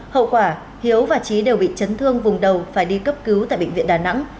hậu quả hiếu và trí đều bị chấn thương vùng đầu phải đi cấp cứu tại bệnh viện đà nẵng